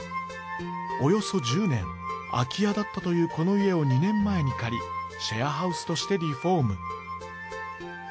およそ１０年空き家だったというこの家を２年前に借りシェアハウスとしてリフォーム。